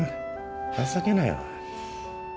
情けないわ。